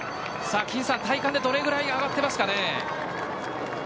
体感でどのぐらい上がっていますか。